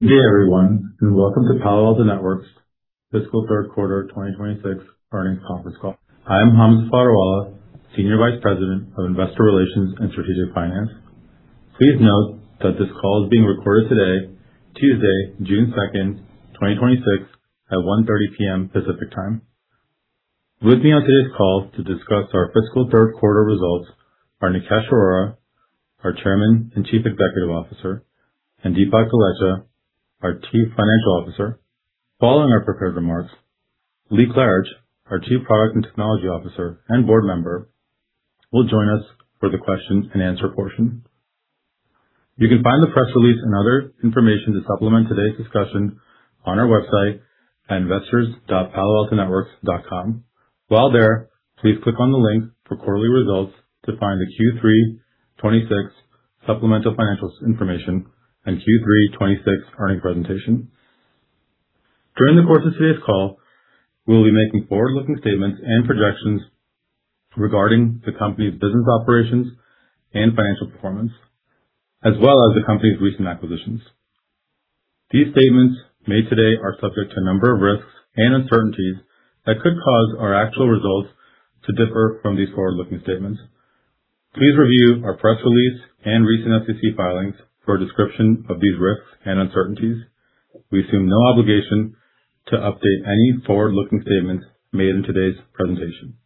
Good day everyone, and welcome to Palo Alto Networks' fiscal third quarter 2026 earnings conference call. I am Hamza Fodderwala, Senior Vice President of Investor Relations and Strategic Finance. Please note that this call is being recorded today, Tuesday, June 2nd, 2026, at 1:30 P.M. Pacific Time. With me on today's call to discuss our fiscal third quarter results are Nikesh Arora, our Chairman and Chief Executive Officer, and Dipak Golechha, our Chief Financial Officer. Following our prepared remarks, Lee Klarich, our Chief Product and Technology Officer and board member, will join us for the question-and-answer portion. You can find the press release and other information to supplement today's discussion on our website at investors.paloaltonetworks.com. While there, please click on the link for quarterly results to find the Q3 2026 supplemental financial information and Q3 2026 earnings presentation. During the course of today's call, we will be making forward-looking statements and projections regarding the company's business operations and financial performance, as well as the company's recent acquisitions. These statements made today are subject to a number of risks and uncertainties that could cause our actual results to differ from these forward-looking statements. Please review our press release and recent SEC filings for a description of these risks and uncertainties. We assume no obligation to update any forward-looking statements made in today's presentation.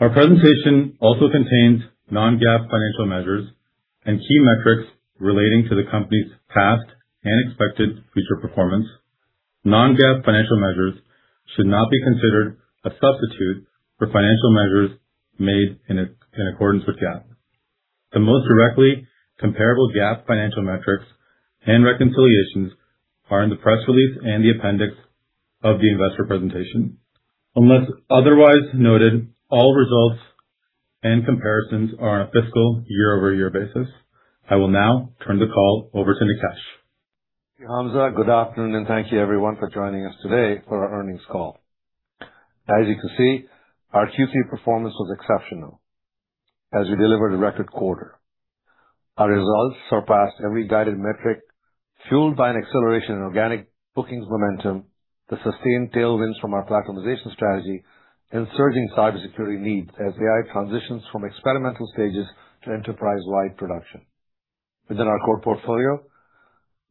Our presentation also contains non-GAAP financial measures and key metrics relating to the company's past and expected future performance. Non-GAAP financial measures should not be considered a substitute for financial measures made in accordance with GAAP. The most directly comparable GAAP financial metrics and reconciliations are in the press release and the appendix of the investor presentation. Unless otherwise noted, all results and comparisons are on a fiscal year-over-year basis. I will now turn the call over to Nikesh. Thank you, Hamza. Good afternoon and thank you everyone for joining us today for our earnings call. As you can see, our Q3 performance was exceptional as we delivered a record quarter. Our results surpassed every guided metric, fueled by an acceleration in organic bookings momentum, the sustained tailwinds from our platformization strategy, and surging cybersecurity needs as AI transitions from experimental stages to enterprise-wide production. Within our core portfolio,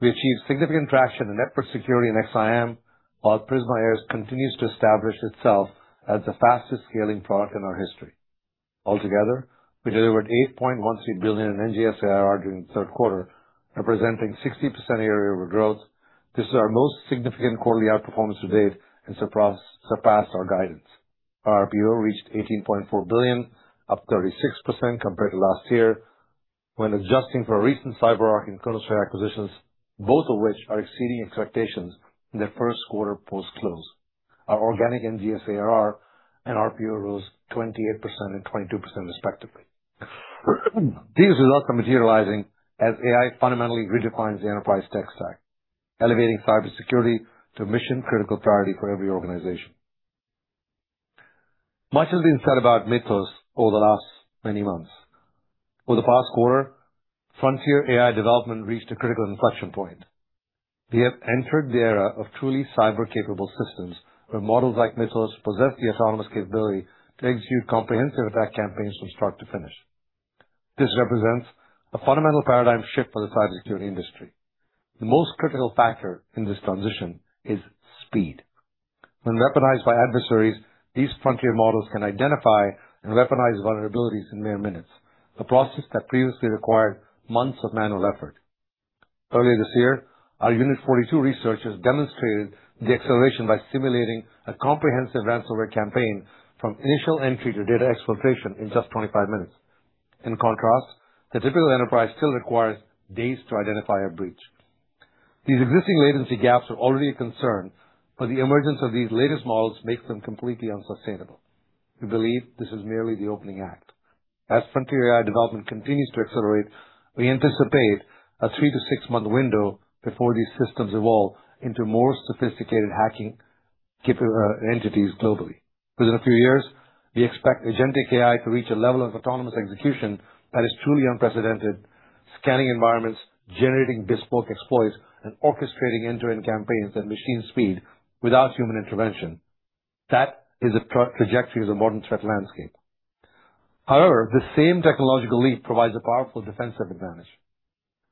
we achieved significant traction in network security and XSIAM, while Prisma AI continues to establish itself as the fastest-scaling product in our history. Altogether, we delivered $8.18 billion in NGS ARR during the third quarter, representing 60% year-over-year growth. This is our most significant quarterly outperformance to date and surpassed our guidance. Our RPO reached $18.4 billion, up 36% compared to last year. When adjusting for recent CyberArk and Chronosphere acquisitions, both of which are exceeding expectations in their first quarter post-close, our organic NGS ARR and RPO rose 28% and 22% respectively. These results are materializing as AI fundamentally redefines the enterprise tech stack, elevating cybersecurity to mission-critical priority for every organization. Much has been said about Mythos over the last many months. Over the past quarter, frontier AI development reached a critical inflection point. We have entered the era of truly cyber-capable systems, where models like Mythos possess the autonomous capability to execute comprehensive attack campaigns from start to finish. This represents a fundamental paradigm shift for the cybersecurity industry. The most critical factor in this transition is speed. When weaponized by adversaries, these frontier models can identify and weaponize vulnerabilities in mere minutes, a process that previously required months of manual effort. Earlier this year, our Unit 42 researchers demonstrated the acceleration by simulating a comprehensive ransomware campaign from initial entry to data exfiltration in just 25 minutes. In contrast, the typical enterprise still requires days to identify a breach. These existing latency gaps are already a concern, but the emergence of these latest models makes them completely unsustainable. We believe this is merely the opening act. As frontier AI development continues to accelerate, we anticipate a three-to-six-month window before these systems evolve into more sophisticated hacking entities globally. Within a few years, we expect agentic AI to reach a level of autonomous execution that is truly unprecedented, scanning environments, generating bespoke exploits, and orchestrating end-to-end campaigns at machine speed without human intervention. That is the trajectory of the modern threat landscape. However, the same technological leap provides a powerful defensive advantage.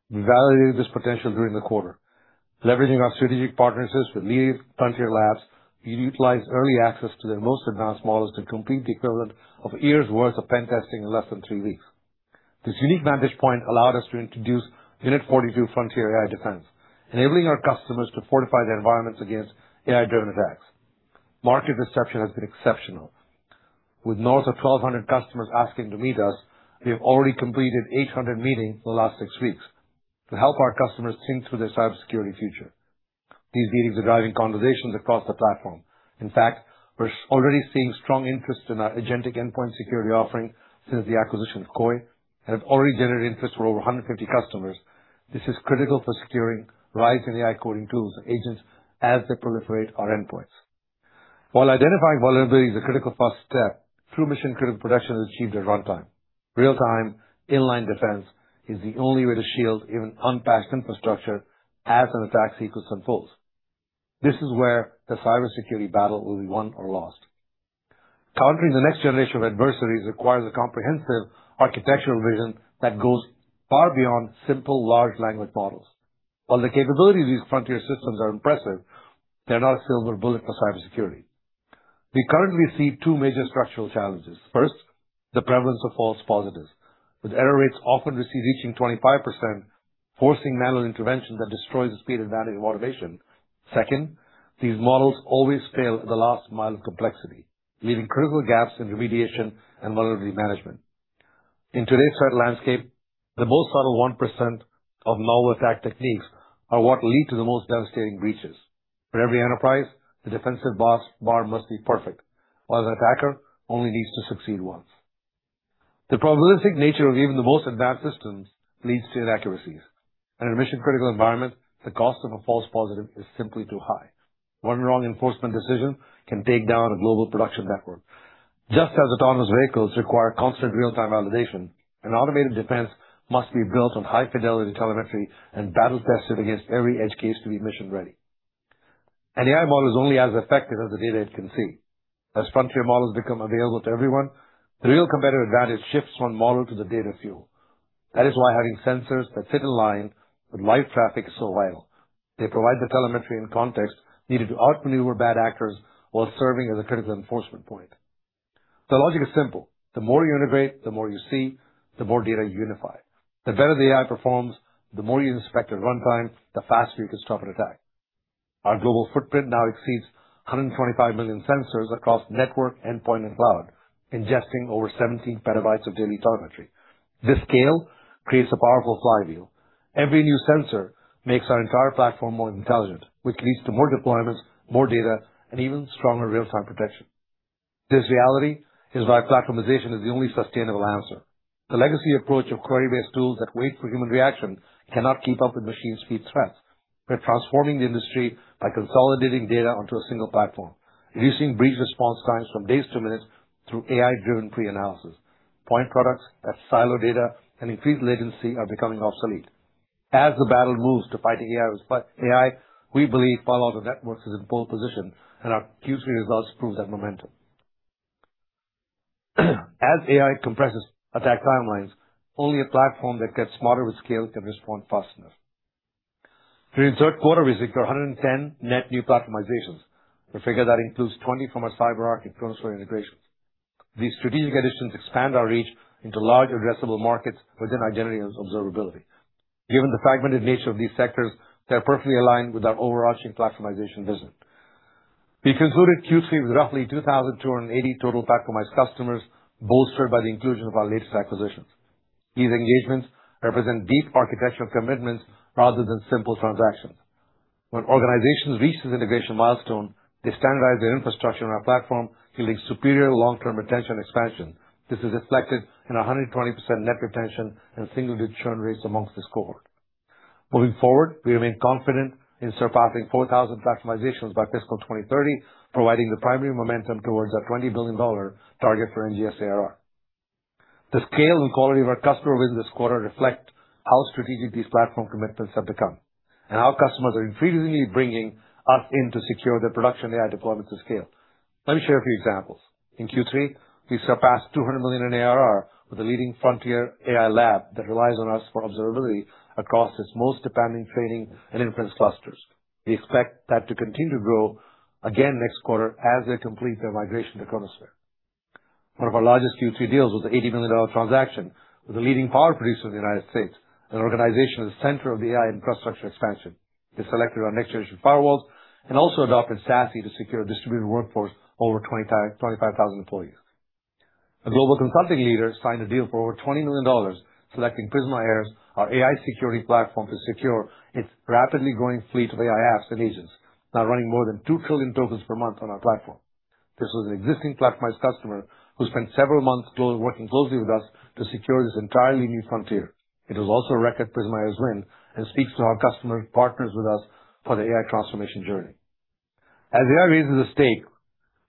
We validated this potential during the quarter. Leveraging our strategic partnerships with Anthropic, we utilized early access to their most advanced models to complete the equivalent of years' worth of pen testing in less than three weeks. This unique vantage point allowed us to introduce Unit 42 Frontier AI Defense, enabling our customers to fortify their environments against AI-driven attacks. Market reception has been exceptional. With north of 1,200 customers asking to meet us, we have already completed 800 meetings in the last six weeks to help our customers think through their cybersecurity future. These meetings are driving conversations across the platform. In fact, we're already seeing strong interest in our agentic endpoint security offering since the acquisition of Koi, and have already generated interest for over 150 customers. This is critical for securing rise in AI coding tools agents as they proliferate our endpoints. While identifying vulnerabilities is a critical first step, true mission-critical protection is achieved at runtime. Real-time inline defense is the only way to shield even unpatched infrastructure as an attack sequence unfolds. This is where the cybersecurity battle will be won or lost. Countering the next generation of adversaries requires a comprehensive architectural vision that goes far beyond simple large language models. While the capabilities of these frontier systems are impressive, they're not a silver bullet for cybersecurity. We currently see two major structural challenges. First, the prevalence of false positives, with error rates often reaching 25%, forcing manual intervention that destroys the speed advantage of automation. Second, these models always fail at the last mile of complexity, leaving critical gaps in remediation and vulnerability management. In today's threat landscape, the most subtle 1% of malware attack techniques are what lead to the most devastating breaches. For every enterprise, the defensive bar must be perfect, while an attacker only needs to succeed once. The probabilistic nature of even the most advanced systems leads to inaccuracies. In a mission-critical environment, the cost of a false positive is simply too high. One wrong enforcement decision can take down a global production network. Just as autonomous vehicles require constant real-time validation, an automated defense must be built on high-fidelity telemetry and battle-tested against every edge case to be mission-ready. An AI model is only as effective as the data it can see. As frontier models become available to everyone, the real competitive advantage shifts from model to the data fuel. That is why having sensors that sit in line with live traffic is so vital. They provide the telemetry and context needed to outmaneuver bad actors while serving as a critical enforcement point. The logic is simple. The more you integrate, the more you see, the more data you unify. The better the AI performs, the more you inspect at runtime, the faster you can stop an attack. Our global footprint now exceeds 125 million sensors across network, endpoint, and cloud, ingesting over 17 PB of daily telemetry. This scale creates a powerful fly view. Every new sensor makes our entire platform more intelligent, which leads to more deployments, more data, and even stronger real-time protection. This reality is why platformization is the only sustainable answer. The legacy approach of query-based tools that wait for human reaction cannot keep up with machine-speed threats. We're transforming the industry by consolidating data onto a single platform, reducing breach response times from days to minutes through AI-driven pre-analysis. Point products that Silo data and increase latency are becoming obsolete. The battle moves to fighting AI with AI, we believe Palo Alto Networks is in pole position, and our Q3 results prove that momentum. AI compresses attack timelines, only a platform that gets smarter with scale can respond fast enough. During third quarter, we secured 110 net new platformizations, a figure that includes 20 from our CyberArk and Chronosphere integrations. These strategic additions expand our reach into large addressable markets within identity and observability. Given the fragmented nature of these sectors, they're perfectly aligned with our overarching platformization vision. We concluded Q3 with roughly 2,280 total platformized customers, bolstered by the inclusion of our latest acquisitions. These engagements represent deep architectural commitments rather than simple transactions. When organizations reach this integration milestone, they standardize their infrastructure on our platform, yielding superior long-term retention expansion. This is reflected in 120% net retention and single-digit churn rates amongst this cohort. Moving forward, we remain confident in surpassing 4,000 platformizations by fiscal 2030, providing the primary momentum towards our $20 billion target for NGS ARR. The scale and quality of our customer wins this quarter reflect how strategic these platform commitments have become and how customers are increasingly bringing us in to secure their production AI deployments at scale. Let me share a few examples. In Q3, we surpassed $200 million in ARR with a leading frontier AI lab that relies on us for observability across its most demanding training and inference clusters. We expect that to continue to grow again next quarter as they complete their migration to Chronosphere. One of our largest Q3 deals was a $80 million transaction with a leading power producer in the United States, an organization at the center of AI infrastructure expansion. They selected our next-generation firewalls and also adopted SASE to secure a distributed workforce over 25,000 employees. A global consulting leader signed a deal for over $20 million, selecting Prisma AIRS as our AI security platform to secure its rapidly growing fleet of AI apps and agents, now running more than 2 trillion tokens per month on our platform. This was an existing platformized customer who spent several months working closely with us to secure this entirely new frontier. It was also a record Prisma AIRS win and speaks to our customer who partners with us for their AI transformation journey. As AI raises the stake,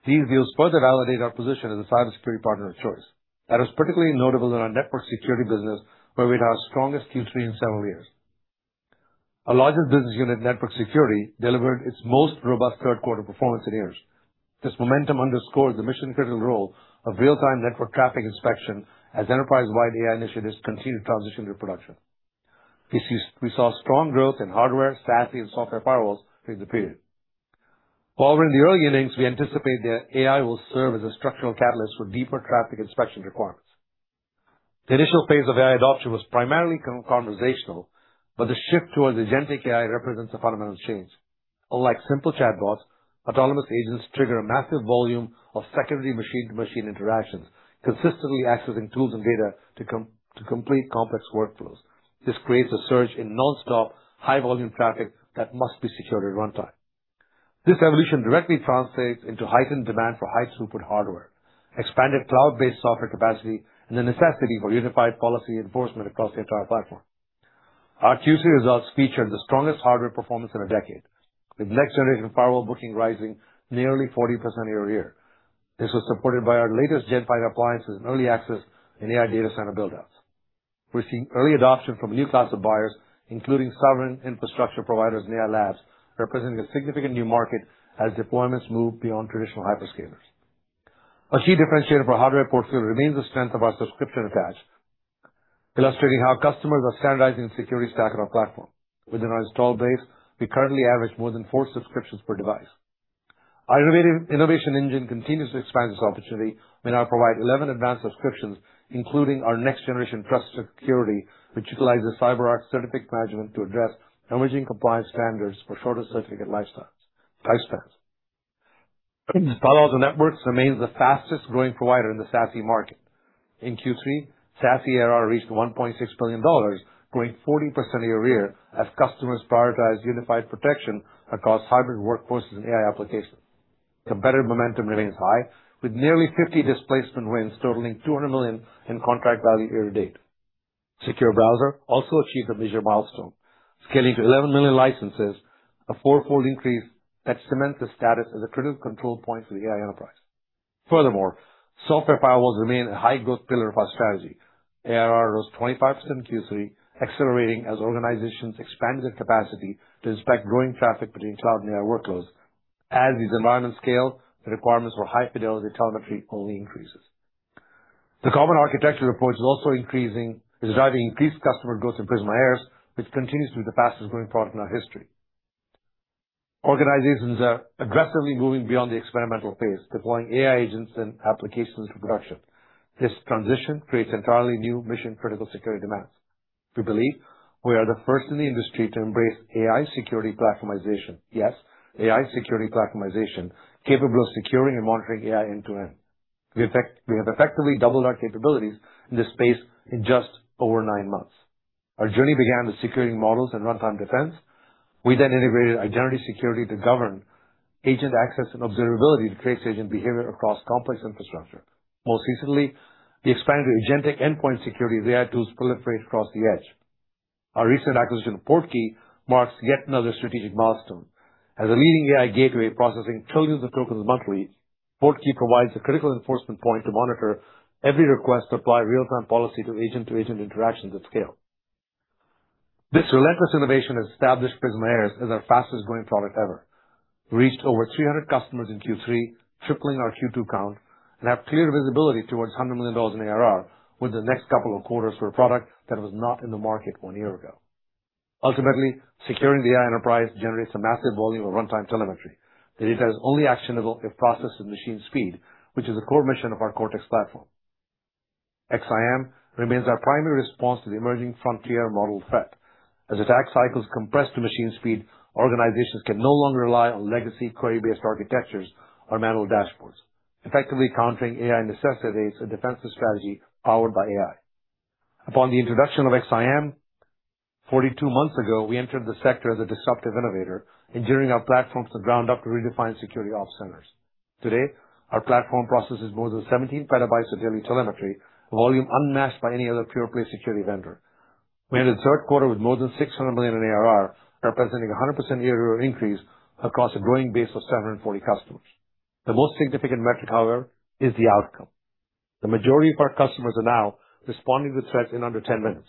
these deals further validate our position as a cybersecurity partner of choice. That is particularly notable in our network security business, where we had our strongest Q3 in several years. Our largest business unit, network security, delivered its most robust third quarter performance in years. This momentum underscores the mission-critical role of real-time network traffic inspection as enterprise-wide AI initiatives continue to transition to production. We saw strong growth in hardware, SASE, and software firewalls during the period. While we're in the early innings, we anticipate that AI will serve as a structural catalyst for deeper traffic inspection requirements. The initial phase of AI adoption was primarily conversational, but the shift towards agentic AI represents a fundamental change. Unlike simple chatbots, autonomous agents trigger a massive volume of secondary machine-to-machine interactions, consistently accessing tools and data to complete complex workflows. This creates a surge in nonstop high-volume traffic that must be secured at runtime. This evolution directly translates into heightened demand for high throughput hardware, expanded cloud-based software capacity, and the necessity for unified policy enforcement across the entire platform. Our Q3 results featured the strongest hardware performance in a decade, with next-generation firewall booking rising nearly 40% year-over-year. This was supported by our latest Gen 5 appliances and early access in AI data center buildouts. We're seeing early adoption from new classes of buyers, including sovereign infrastructure providers and AI labs, representing a significant new market as deployments move beyond traditional hyperscalers. A key differentiator for our hardware portfolio remains the strength of our subscription attach, illustrating how customers are standardizing the security stack on our platform. Within our install base, we currently average more than four subscriptions per device. Our innovation engine continues to expand this opportunity. We now provide 11 advanced subscriptions, including our next-generation trust security, which utilizes CyberArk certificate management to address emerging compliance standards for shorter certificate lifespans. Palo Alto Networks remains the fastest-growing provider in the SASE market. In Q3, SASE ARR reached $1.6 billion, growing 40% year-over-year, as customers prioritize unified protection across hybrid workforces and AI applications. Competitive momentum remains high with nearly 50 displacement wins totaling $200 million in contract value year-to-date. Secure Browser also achieved a major milestone, scaling to 11 million licenses, a four-fold increase that cements its status as a critical control point for the AI enterprise. Furthermore, software firewalls remain a high-growth pillar of our strategy. ARR was 25% in Q3, accelerating as organizations expand their capacity to inspect growing traffic between cloud and AI workloads. As these environments scale, the requirements for high-fidelity telemetry only increases. The common architecture approach is also driving increased customer growth in Prisma AI, which continues to be the fastest-growing product in our history. Organizations are aggressively moving beyond the experimental phase, deploying AI agents and applications to production. This transition creates entirely new mission-critical security demands. We believe we are the first in the industry to embrace AI security platformization. Yes, AI security platformization, capable of securing and monitoring AI end-to-end. We have effectively doubled our capabilities in this space in just over nine months. Our journey began with securing models and runtime defense. We then integrated identity security to govern agent access and observability to trace agent behavior across complex infrastructure. Most recently, we expanded to agentic endpoint security as AI tools proliferate across the edge. Our recent acquisition of Portkey marks yet another strategic milestone. As a leading AI gateway processing trillions of tokens monthly, Portkey provides a critical enforcement point to monitor every request to apply real-time policy to agent-to-agent interactions at scale. This relentless innovation has established Prisma AIRS as our fastest-growing product ever. We reached over 300 customers in Q3, tripling our Q2 count, and have clear visibility towards $100 million in ARR within the next couple of quarters for a product that was not in the market one year ago. Ultimately, securing the AI enterprise generates a massive volume of runtime telemetry. The data is only actionable if processed at machine speed, which is a core mission of our Cortex platform. XSIAM remains our primary response to the emerging frontier model threat. As attack cycles compress to machine speed, organizations can no longer rely on legacy query-based architectures or manual dashboards. Effectively countering AI necessitates a defensive strategy powered by AI. Upon the introduction of XSIAM 42 months ago, we entered the sector as a disruptive innovator, engineering our platform from the ground up to redefine security ops centers. Today, our platform processes more than 17 PB of daily telemetry, a volume unmatched by any other pure-play security vendor. We ended the third quarter with more than $600 million in ARR, representing 100% year-over-year increase across a growing base of 740 customers. The most significant metric, however, is the outcome. The majority of our customers are now responding to threats in under ten minutes.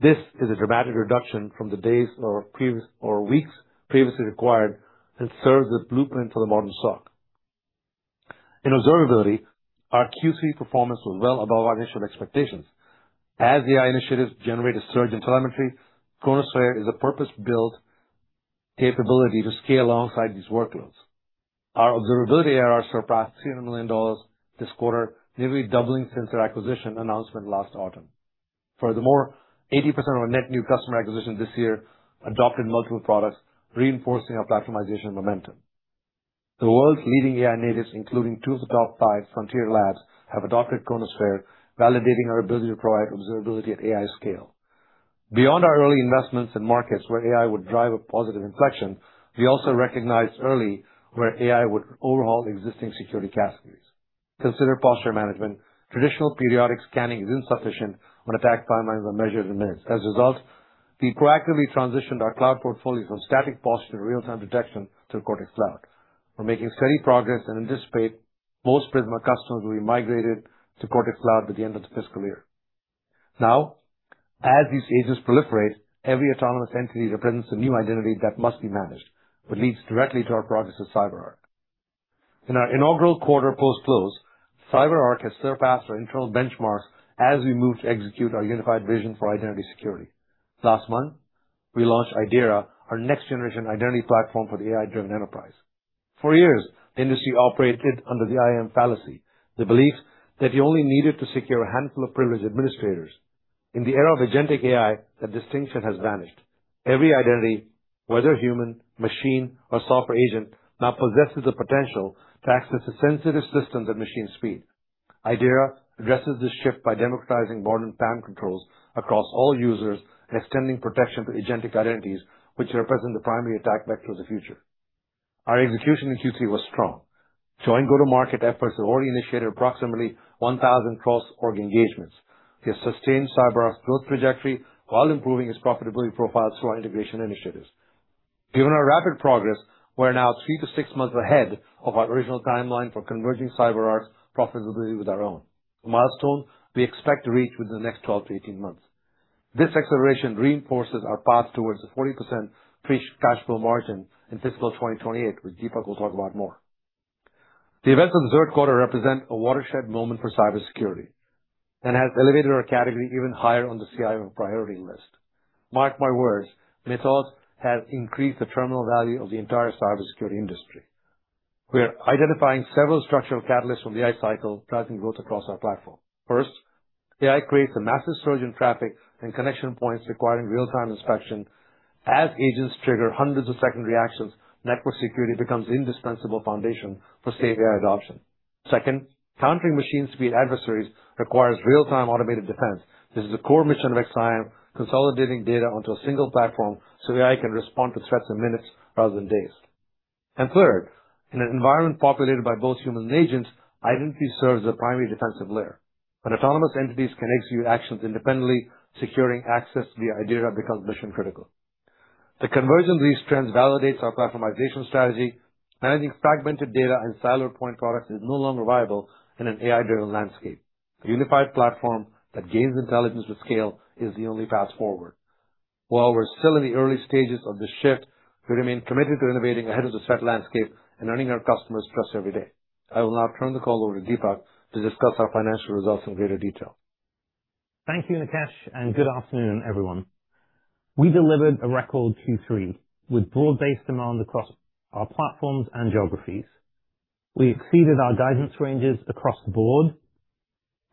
This is a dramatic reduction from the days or weeks previously required and serves as a blueprint for the modern SOC. In observability, our Q3 performance was well above our initial expectations. As AI initiatives generate a surge in telemetry, Chronosphere is a purpose-built capability to scale alongside these workloads. Our observability ARR surpassed $300 million this quarter, nearly doubling since our acquisition announcement last autumn. Furthermore, 80% of our net new customer acquisition this year adopted multiple products, reinforcing our platformization momentum. The world's leading AI natives, including two of the top five frontier labs, have adopted Chronosphere, validating our ability to provide observability at AI scale. Beyond our early investments in markets where AI would drive a positive inflection, we also recognized early where AI would overhaul existing security categories. Consider posture management. Traditional periodic scanning is insufficient when attack timelines are measured in minutes. As a result, we proactively transitioned our cloud portfolio from static posture to real-time detection through Cortex Cloud. We're making steady progress and anticipate most Prisma customers will be migrated to Cortex Cloud by the end of the fiscal year. Now, as these agents proliferate, every autonomous entity represents a new identity that must be managed, which leads directly to our progress with CyberArk. In our inaugural quarter post-close, CyberArk has surpassed our internal benchmarks as we move to execute our unified vision for identity security. Last month, we launched Idira, our next-generation identity platform for the AI-driven enterprise. For years, the industry operated under the IAM fallacy, the belief that you only needed to secure a handful of privileged administrators. In the era of agentic AI, that distinction has vanished. Every identity, whether human, machine, or software agent, now possesses the potential to access the sensitive systems at machine speed. Idira addresses this shift by democratizing modern PAM controls across all users, extending protection to agentic identities, which represent the primary attack vectors of the future. Our execution in Q3 was strong. Joint go-to-market efforts have already initiated approximately 1,000 cross-org engagements. We have sustained CyberArk's growth trajectory while improving its profitability profile through our integration initiatives. Given our rapid progress, we're now thee to six months ahead of our original timeline for converging CyberArk's profitability with our own, a milestone we expect to reach within the next 12-18 months. This acceleration reinforces our path towards the 40% pre-tax cash flow margin in fiscal 2028, which Dipak will talk about more. The events of the third quarter represent a watershed moment for cybersecurity and has elevated our category even higher on the CIO priority list. Mark my words, in itself, has increased the terminal value of the entire cybersecurity industry. We are identifying several structural catalysts from the AI cycle, driving growth across our platform. First, AI creates a massive surge in traffic and connection points requiring real-time inspection. As agents trigger hundreds of second reactions, network security becomes indispensable foundation for safe AI adoption. Second, countering machine speed adversaries requires real-time automated defense. This is a core mission of Cortex XSIAM, consolidating data onto a single platform so AI can respond to threats in minutes rather than days. Third, in an environment populated by both humans and agents, identity serves as a primary defensive layer. When autonomous entities can execute actions independently, securing access to the identity becomes mission-critical. The conversion of these trends validates our platformization strategy. Managing fragmented data and siloed point products is no longer viable in an AI-driven landscape. A unified platform that gains intelligence with scale is the only path forward. While we're still in the early stages of this shift, we remain committed to innovating ahead of the threat landscape and earning our customers' trust every day. I will now turn the call over to Dipak to discuss our financial results in greater detail. Thank you, Nikesh. Good afternoon, everyone. We delivered a record Q3 with broad-based demand across our platforms and geographies. We exceeded our guidance ranges across the board,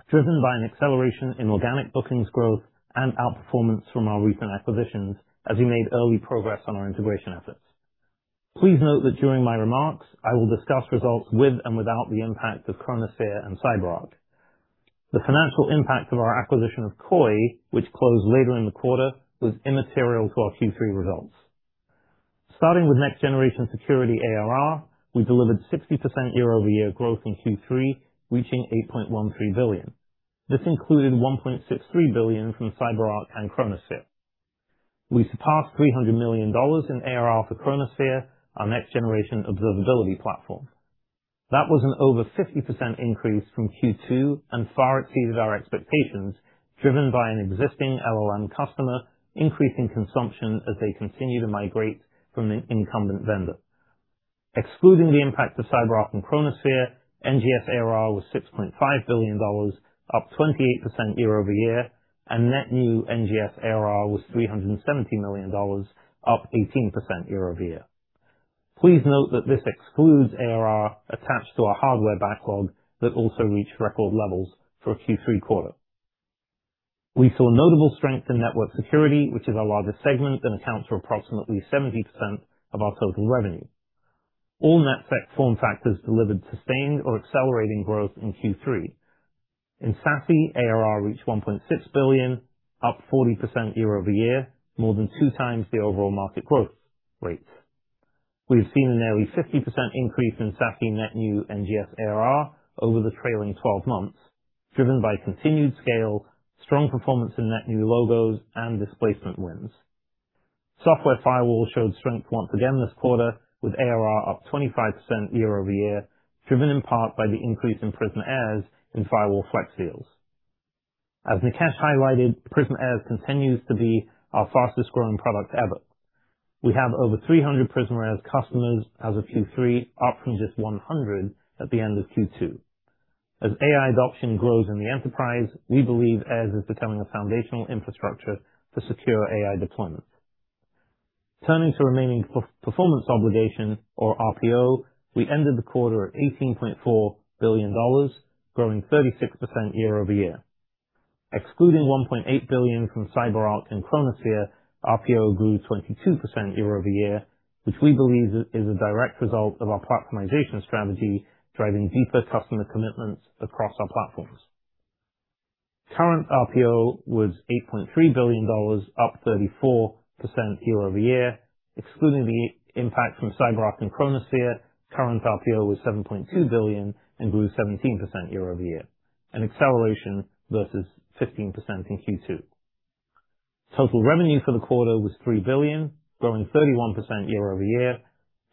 driven by an acceleration in organic bookings growth and outperformance from our recent acquisitions as we made early progress on our integration efforts. Please note that during my remarks, I will discuss results with and without the impact of Chronosphere and CyberArk. The financial impact of our acquisition of Koi, which closed later in the quarter, was immaterial to our Q3 results. Starting with Next-Generation Security ARR, we delivered 60% year-over-year growth in Q3, reaching $8.13 billion. This included $1.63 billion from CyberArk and Chronosphere. We surpassed $300 million in ARR for Chronosphere, our next-generation observability platform. That was an over 50% increase from Q2 and far exceeded our expectations, driven by an existing LLM customer increasing consumption as they continue to migrate from an incumbent vendor. Excluding the impact of CyberArk and Chronosphere, NGS ARR was $6.5 billion, up 28% year-over-year, and net new NGS ARR was $370 million, up 18% year-over-year. Please note that this excludes ARR attached to our hardware backlog that also reached record levels for a Q3 quarter. We saw notable strength in network security, which is our largest segment and accounts for approximately 70% of our total revenue. All net form factors delivered sustained or accelerating growth in Q3. In SASE, ARR reached $1.6 billion, up 40% year-over-year, more than 2x the overall market growth rate. We've seen a nearly 50% increase in SASE net new NGS ARR over the trailing 12 months, driven by continued scale, strong performance in net new logos, and displacement wins. Software firewall showed strength once again this quarter with ARR up 25% year-over-year, driven in part by the increase in Prisma AIRS in firewall flex seals. As Nikesh highlighted, Prisma AIRS continues to be our fastest-growing product ever. We have over 300 Prisma AIRS customers as of Q3, up from just 100 at the end of Q2. As AI adoption grows in the enterprise, we believe AIRS is becoming a foundational infrastructure for secure AI deployments. Turning to remaining performance obligation or RPO, we ended the quarter at $18.4 billion, growing 36% year-over-year. Excluding $1.8 billion from CyberArk and Chronosphere, RPO grew 22% year-over-year, which we believe is a direct result of our platformization strategy, driving deeper customer commitments across our platforms. Current RPO was $8.3 billion, up 34% year-over-year. Excluding the impact from CyberArk and Chronosphere, current RPO was $7.2 billion and grew 17% year-over-year, an acceleration versus 15% in Q2. Total revenue for the quarter was $3 billion, growing 31% year-over-year.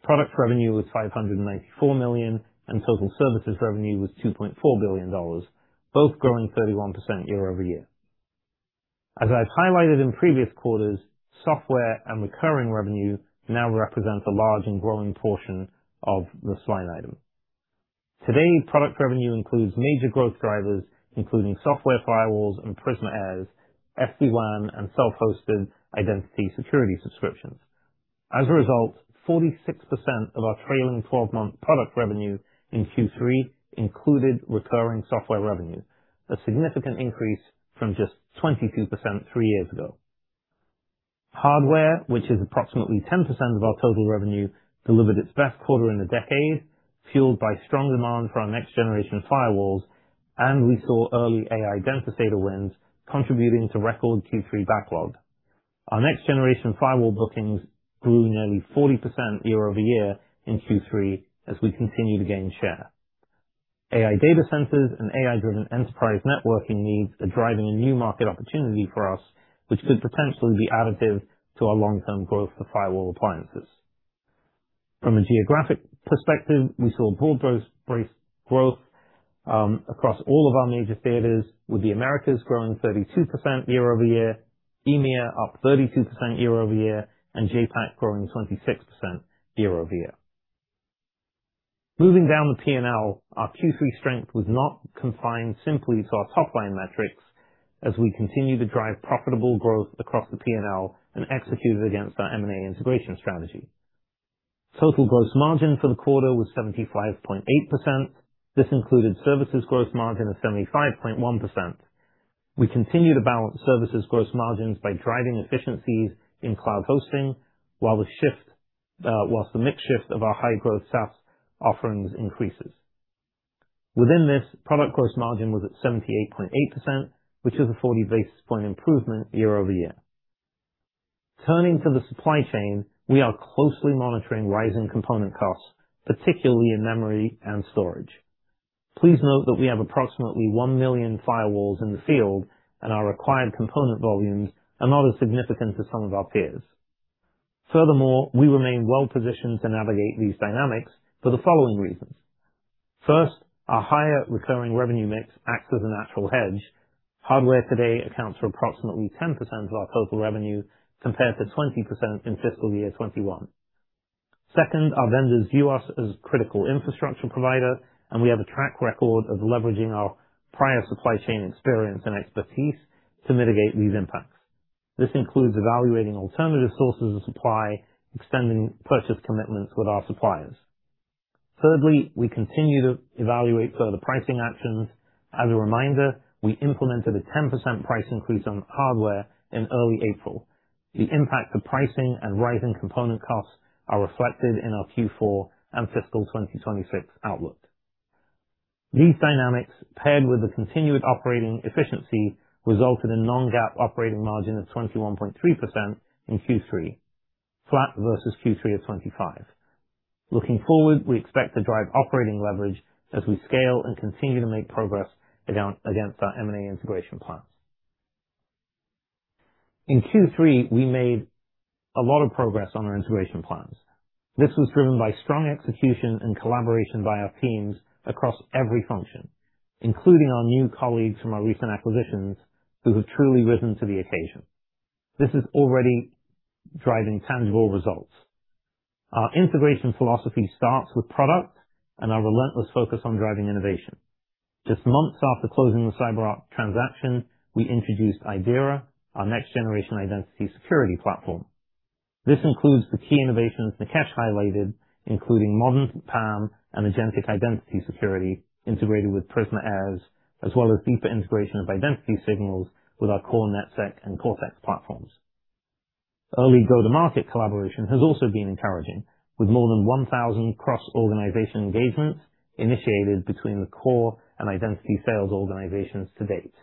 Product revenue was $594 million, and total services revenue was $2.4 billion, both growing 31% year-over-year. As I've highlighted in previous quarters, software and recurring revenue now represents a large and growing portion of this line item. Today, product revenue includes major growth drivers, including software firewalls and Prisma AIRS, SD-WAN, and self-hosted identity security subscriptions. As a result, 46% of our trailing 12-month product revenue in Q3 included recurring software revenue, a significant increase from just 22% three years ago. Hardware, which is approximately 10% of our total revenue, delivered its best quarter in a decade, fueled by strong demand for our next-generation firewalls. We saw early AI data center wins contributing to record Q3 backlog. Our next-generation firewall bookings grew nearly 40% year-over-year in Q3 as we continue to gain share. AI data centers and AI-driven enterprise networking needs are driving a new market opportunity for us, which could potentially be additive to our long-term growth for firewall appliances. From a geographic perspective, we saw broad-based growth across all of our major theaters, with the Americas growing 32% year-over-year, EMEA up 32% year-over-year, and JAPAC growing 26% year-over-year. Moving down the P&L, our Q3 strength was not confined simply to our top line metrics as we continue to drive profitable growth across the P&L and executed against our M&A integration strategy. Total gross margin for the quarter was 75.8%. This included services gross margin of 75.1%. We continue to balance services gross margins by driving efficiencies in cloud hosting, whilst the mix shift of our high-growth SaaS offerings increases. Within this, product gross margin was at 78.8%, which is a 40 basis point improvement year-over-year. Turning to the supply chain, we are closely monitoring rising component costs, particularly in memory and storage. Please note that we have approximately 1 million firewalls in the field, and our required component volumes are not as significant as some of our peers. Furthermore, we remain well-positioned to navigate these dynamics for the following reasons. First, our higher recurring revenue mix acts as a natural hedge. Hardware today accounts for approximately 10% of our total revenue, compared to 20% in fiscal year 2021. Second, our vendors view us as critical infrastructure provider, and we have a track record of leveraging our prior supply chain experience and expertise to mitigate these impacts. This includes evaluating alternative sources of supply, extending purchase commitments with our suppliers. Thirdly, we continue to evaluate further pricing actions. As a reminder, we implemented a 10% price increase on hardware in early April. The impact of pricing and rising component costs are reflected in our Q4 and fiscal 2026 outlook. These dynamics, paired with the continued operating efficiency, resulted in non-GAAP operating margin of 21.3% in Q3, flat versus Q3 of 2025. Looking forward, we expect to drive operating leverage as we scale and continue to make progress against our M&A integration plans. In Q3, we made a lot of progress on our integration plans. This was driven by strong execution and collaboration by our teams across every function, including our new colleagues from our recent acquisitions who have truly risen to the occasion. This is already driving tangible results. Our integration philosophy starts with product and our relentless focus on driving innovation. Just months after closing the CyberArk transaction, we introduced Idira, our next-generation identity security platform. This includes the key innovations Nikesh highlighted, including modern PAM and agentic identity security integrated with Prisma AIRS, as well as deeper integration of identity signals with our core NetSec and Cortex platforms. Early go-to-market collaboration has also been encouraging, with more than 1,000 cross-organization engagements initiated between the core and identity sales organizations to date.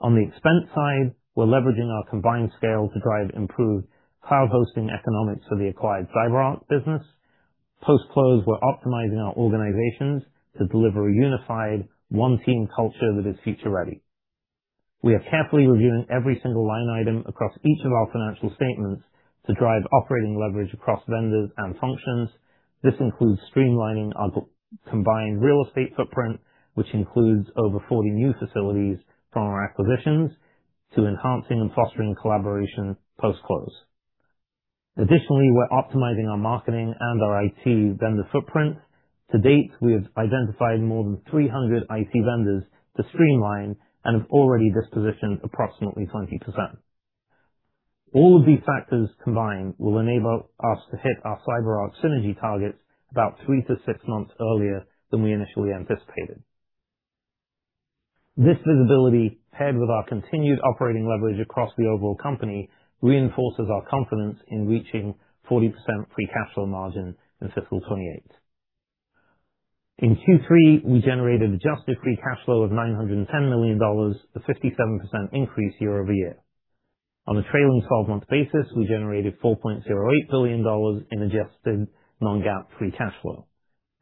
On the expense side, we're leveraging our combined scale to drive improved cloud hosting economics for the acquired CyberArk business. Post-close, we're optimizing our organizations to deliver a unified one-team culture that is future-ready. We are carefully reviewing every single line item across each of our financial statements to drive operating leverage across vendors and functions. This includes streamlining our combined real estate footprint, which includes over 40 new facilities from our acquisitions to enhancing and fostering collaboration post-close. Additionally, we're optimizing our marketing and our IT vendor footprint. To date, we have identified more than 300 IT vendors to streamline and have already dispositioned approximately 20%. All of these factors combined will enable us to hit our CyberArk synergy targets about three to six months earlier than we initially anticipated. This visibility, paired with our continued operating leverage across the overall company, reinforces our confidence in reaching 40% free cash flow margin in fiscal 2028. In Q3, we generated adjusted free cash flow of $910 million, a 57% increase year-over-year. On a trailing 12-month basis, we generated $4.08 billion in adjusted non-GAAP free cash flow.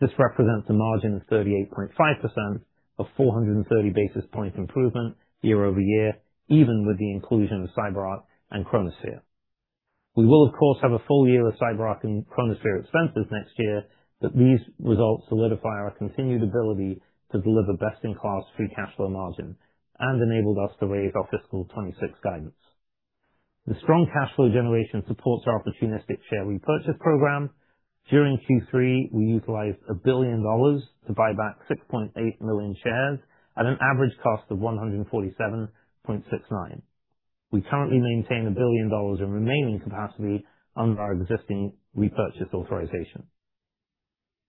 This represents a margin of 38.5%, a 430 basis point improvement year-over-year, even with the inclusion of CyberArk and Chronosphere. We will, of course, have a full year of CyberArk and Chronosphere expenses next year, these results solidify our continued ability to deliver best-in-class free cash flow margin and enabled us to raise our fiscal 2026 guidance. The strong cash flow generation supports our opportunistic share repurchase program. During Q3, we utilized $1 billion to buy back 6.8 million shares at an average cost of $147.69. We currently maintain $1 billion in remaining capacity under our existing repurchase authorization.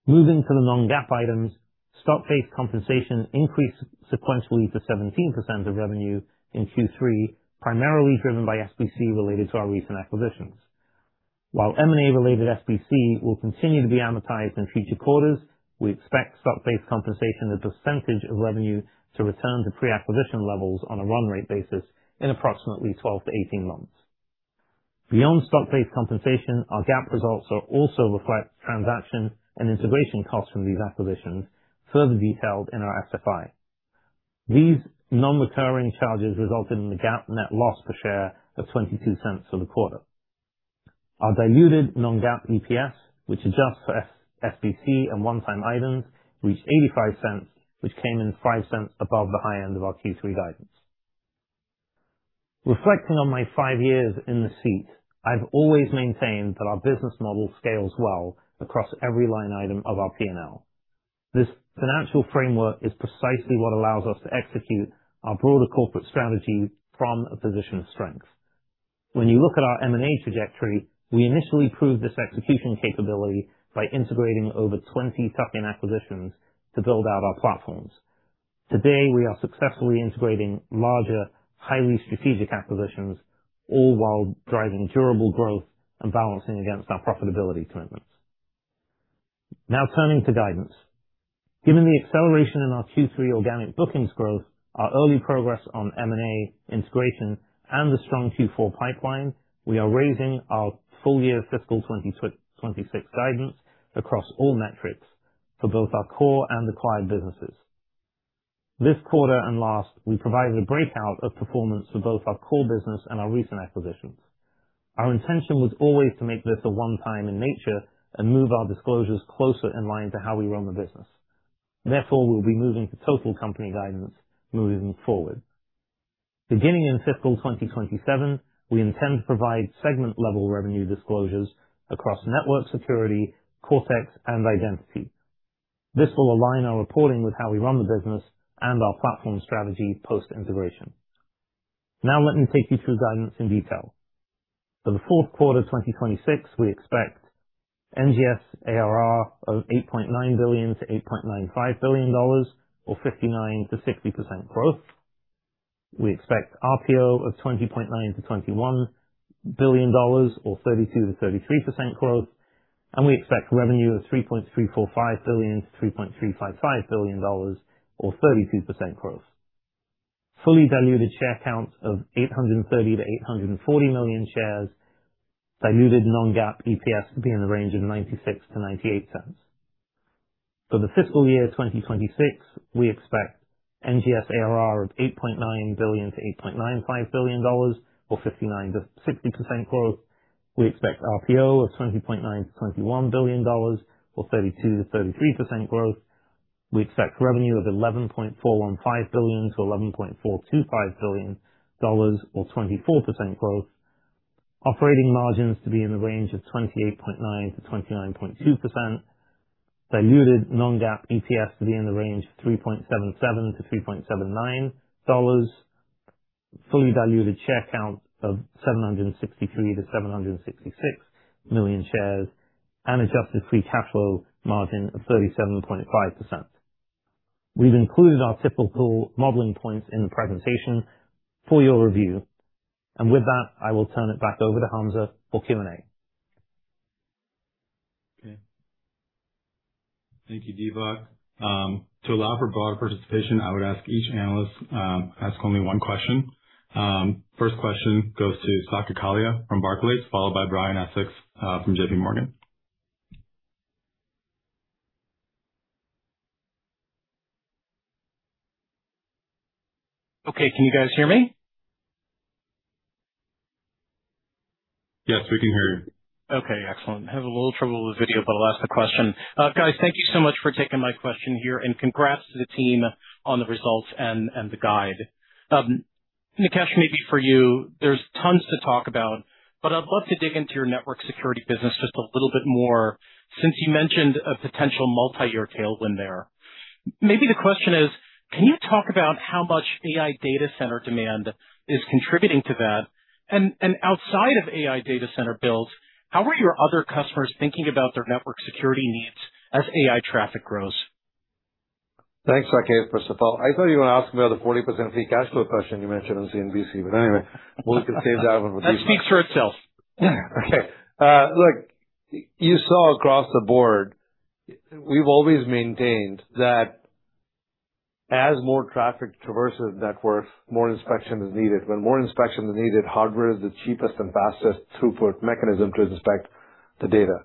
Moving to the non-GAAP items, stock-based compensation increased sequentially to 17% of revenue in Q3, primarily driven by SBC related to our recent acquisitions. While M&A-related SBC will continue to be amortized in future quarters, we expect stock-based compensation as a percentage of revenue to return to pre-acquisition levels on a run rate basis in approximately 12-18 months. Beyond stock-based compensation, our GAAP results also reflect transaction and integration costs from these acquisitions, further detailed in our SFI. These non-recurring charges resulted in the GAAP net loss per share of $0.22 for the quarter. Our diluted non-GAAP EPS, which adjusts for SBC and one-time items, reached $0.85, which came in $0.05 above the high end of our Q3 guidance. Reflecting on my five years in the seat, I've always maintained that our business model scales well across every line item of our P&L. This financial framework is precisely what allows us to execute our broader corporate strategy from a position of strength. You look at our M&A trajectory, we initially proved this execution capability by integrating over 20 tuck-in acquisitions to build out our platforms. Today, we are successfully integrating larger, highly strategic acquisitions, all while driving durable growth and balancing against our profitability commitments. Turning to guidance. Given the acceleration in our Q3 organic bookings growth, our early progress on M&A integration, and the strong Q4 pipeline, we are raising our full-year fiscal 2026 guidance across all metrics for both our core and acquired businesses. This quarter and last, we provided a breakout of performance for both our core business and our recent acquisitions. Our intention was always to make this a one-time in nature and move our disclosures closer in line to how we run the business. We'll be moving to total company guidance moving forward. Beginning in fiscal 2027, we intend to provide segment-level revenue disclosures across Network Security, Cortex, and Identity. This will align our reporting with how we run the business and our platform strategy post-integration. Let me take you through guidance in detail. For the fourth quarter 2026, we expect NGS ARR of $8.9 billion-$8.95 billion, or 59%-60% growth. We expect RPO of $20.9 billion-$21 billion, or 32%-33% growth. We expect revenue of $3.345 billion-$3.355 billion, or 32% growth. Fully diluted share counts of 830 million-840 million shares. Diluted non-GAAP EPS to be in the range of $0.96-$0.98. For the fiscal year 2026, we expect NGS ARR of $8.9 billion-$8.95 billion, or 59%-60% growth. We expect RPO of $20.9 billion-$21 billion, or 32%-33% growth. We expect revenue of $11.415 billion-$11.425 billion, or 24% growth. Operating margins to be in the range of 28.9%-29.2%. Diluted non-GAAP EPS to be in the range of $3.77-$3.79. Fully diluted share count of 763 million-766 million shares, adjusted free cash flow margin of 37.5%. We've included our typical modeling points in the presentation for your review. With that, I will turn it back over to Hamza for Q&A. Okay. Thank you, Dipak. To allow for broader participation, I would ask each analyst ask only one question. First question goes to Saket Kalia from Barclays, followed by Brian Essex from JPMorgan. Okay, can you guys hear me? Yes, we can hear you. Okay, excellent. Having a little trouble with video, but I'll ask the question. Guys, thank you so much for taking my question here, and congrats to the team on the results and the guide. Nikesh, maybe for you, there's tons to talk about, but I'd love to dig into your network security business just a little bit more since you mentioned a potential multi-year tailwind there. Maybe the question is: Can you talk about how much AI data center demand is contributing to that? Outside of AI data center builds, how are your other customers thinking about their network security needs as AI traffic grows? Thanks, Saket, first of all. I thought you were going to ask me about the 40% free cash flow question you mentioned on CNBC, but anyway. That speaks for itself. Look, you saw across the board, we've always maintained that as more traffic traverses networks, more inspection is needed. When more inspection is needed, hardware is the cheapest and fastest throughput mechanism to inspect the data.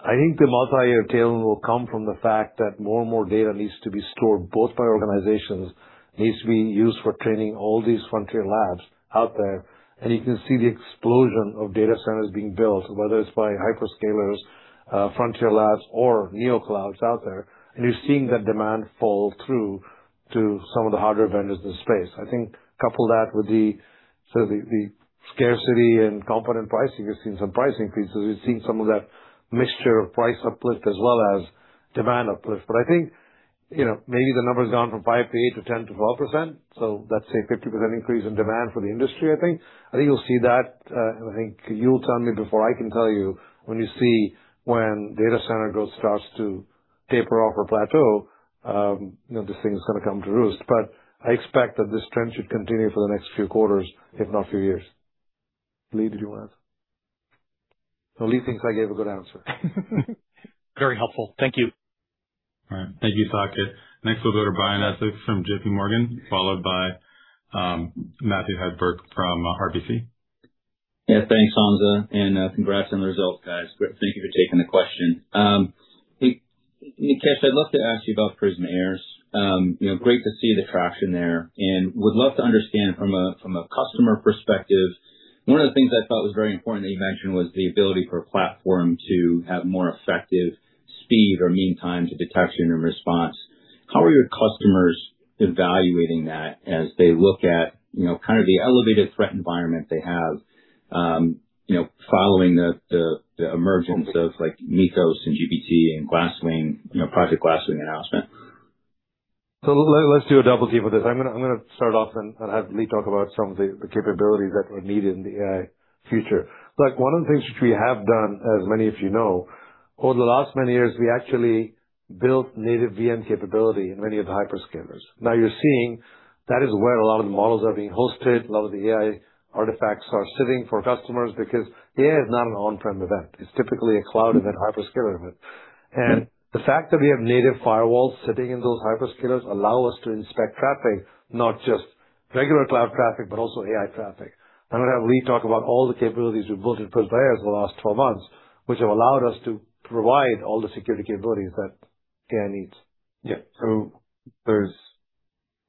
I think the multi-year tailwind will come from the fact that more and more data needs to be stored both by organizations, needs to be used for training all these frontier labs out there, and you can see the explosion of data centers being built, whether it's by hyperscalers, frontier labs or neo clouds out there. You're seeing that demand fall through to some of the hardware vendors in the space. I think couple that with the scarcity and component pricing, you're seeing some price increases. You're seeing some of that mixture of price uplift as well as demand uplift. I think maybe the number has gone from five to eight to 10%-12%, so let's say 50% increase in demand for the industry, I think. I think you'll see that. I think you'll tell me before I can tell you when you see when data center growth starts to taper off or plateau, this thing is going to come to roost. I expect that this trend should continue for the next few quarters, if not few years. Lee, did you want to? Lee thinks I gave a good answer. Very helpful. Thank you. All right. Thank you, Saket. Next, we'll go to Brian Essex from JPMorgan, followed by Matthew Hedberg from RBC. Thanks, Hamza, and congrats on the results, guys. Thank you for taking the question. Nikesh, I'd love to ask you about Prisma AIRS. Great to see the traction there and would love to understand from a customer perspective, one of the things I thought was very important that you mentioned was the ability for a platform to have more effective speed or meantime to detection and response. How are your customers evaluating that as they look at kind of the elevated threat environment they have following the emergence of things like Mythos and GPT and Project Glasswing announcement? Let's do a double team with this. I'm going to start off, and I'll have Lee talk about some of the capabilities that are needed in the AI future. One of the things which we have done, as many of you know, over the last many years, we actually built native VM capability in many of the hyperscalers. Now you're seeing that is where a lot of the models are being hosted, a lot of the AI artifacts are sitting for customers because AI is not an on-prem event. It's typically a cloud and then hyperscaler event. The fact that we have native firewalls sitting in those hyperscalers allow us to inspect traffic, not just regular cloud traffic, but also AI traffic. I'm going to have Lee talk about all the capabilities we've built in Prisma AIRS the last 12 months, which have allowed us to provide all the security capabilities that AI needs. Yeah.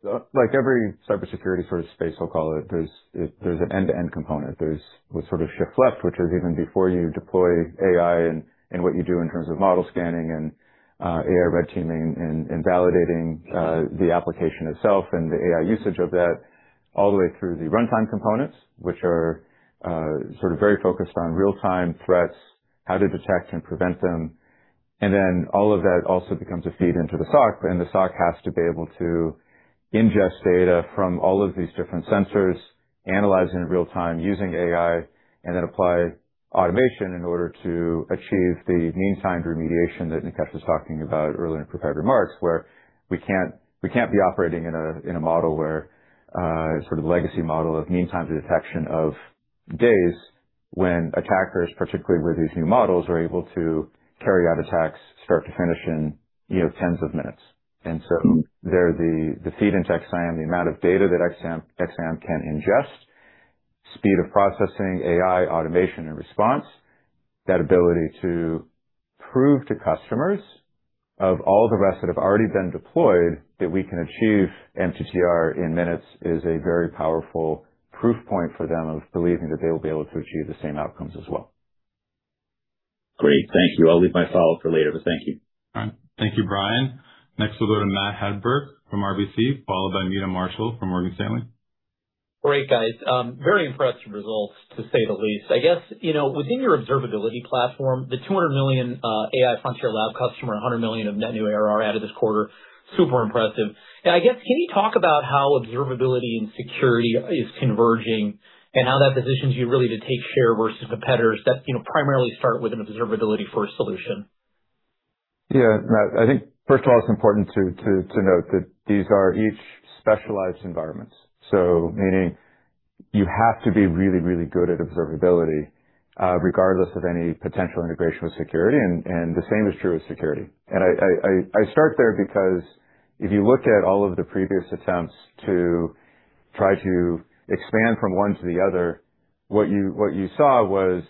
Like every cybersecurity sort of space, I'll call it, there's an end-to-end component. There's the sort of shift left, which are even before you deploy AI and what you do in terms of model scanning and AI red teaming and validating the application itself and the AI usage of that, all the way through the runtime components, which are sort of very focused on real-time threats, how to detect and prevent them. All of that also becomes a feed into the SOC, and the SOC has to be able to ingest data from all of these different sensors, analyze it in real time using AI, and then apply automation in order to achieve the MTTR that Nikesh was talking about earlier in prepared remarks, where we can't be operating in a model where, sort of legacy model of mean time to detection of days when attackers, particularly with these new models, are able to carry out attacks start to finish in tens of minutes. There, the feed into XSIAM, the amount of data that XSIAM can ingest, speed of processing, AI, automation, and response. That ability to prove to customers of all the rest that have already been deployed that we can achieve MTTR in minutes is a very powerful proof point for them of believing that they will be able to achieve the same outcomes as well. Great. Thank you. I'll leave my follow-up for later, thank you. All right. Thank you, Brian. We'll go to Matt Hedberg from RBC, followed by Meta Marshall from Morgan Stanley. Great, guys. Very impressed with results, to say the least. I guess, within your observability platform, the $200 million AI Frontier Lab customer, $100 million of net new ARR added this quarter, super impressive. I guess, can you talk about how observability and security is converging and how that positions you really to take share versus competitors that primarily start with an observability-first solution? Yeah, Matt. I think first of all, it's important to note that these are each specialized environments. Meaning you have to be really, really good at observability, regardless of any potential integration with security, and the same is true with security. I start there because if you look at all of the previous attempts to try to expand from one to the other, what you saw was